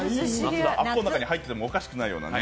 あっこの中に入っててもおかしくないくらいね。